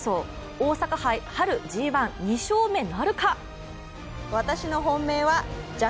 大阪杯春ＧⅠ２勝目なるか！？